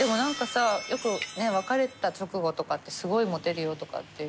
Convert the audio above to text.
さよくねっ別れた直後とかってすごいモテるよとかって。